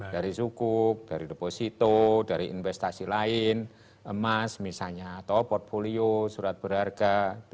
dari sukup dari deposito dari investasi lain emas misalnya atau portfolio surat berharga